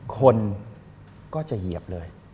คนก็จะเหยียบเลย